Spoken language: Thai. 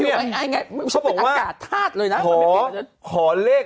เนี้ยอยู่อยู่ไอไอไงเขาบอกว่าอากาศทาสเลยน่ะขอขอเลข